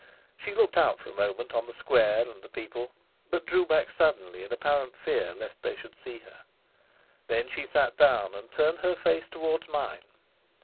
She looked out for a moment on the square and the people, but drew back suddenly in apparent fear lest they should see her. Then she sat down and turned her face towards mine.